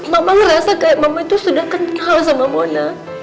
mama ngerasa kayak mama itu sudah kental sama mona